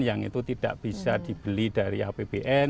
yang itu tidak bisa dibeli dari apbn